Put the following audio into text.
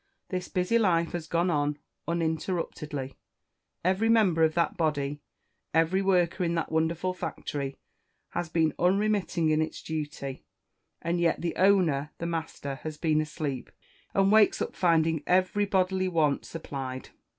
This busy life has gone on uninterruptedly; every member of that body, every worker in that wonderful factory, has been unremitting in his duty, and yet the owner, the master, has been asleep, and wakes up finding every bodily want supplied!